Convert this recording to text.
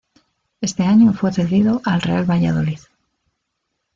Ese año fue cedido al Real Valladolid.